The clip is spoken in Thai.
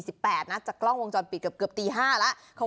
สิบแปดนะจากกล้องวงจอนปิดเกือบเกือบตีห้าแล้วของ